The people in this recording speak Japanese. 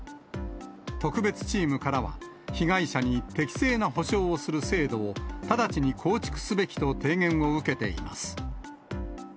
特別チームからは、被害者に適正な補償をする制度を直ちに構築すべきと提言を受けています。